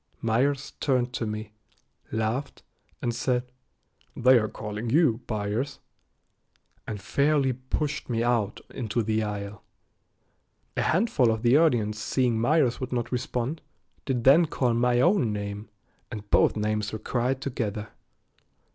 Myers turned to me, laughed, and said, "They are calling you, Byers," and fairly pushed me out into the aisle. A handful of the audience seeing Myers would not respond, did then call my own name, and both names were cried together.